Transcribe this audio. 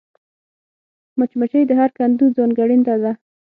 مچمچۍ د هر کندو ځانګړېنده ده